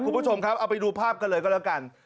คุณผู้ชมครับเอาไปดูภาพกันเลยก็แล้วกัน